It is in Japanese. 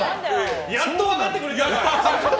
やっと分かってくれたんですね。